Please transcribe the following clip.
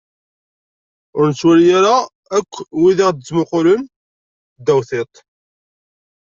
Ur nettwali ara akk wid i aɣ-d-yettmuqulen ddaw tiṭ.